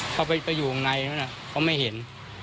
เค้าไปอยู่ข้างในแล้วนะเค้าไม่เห็น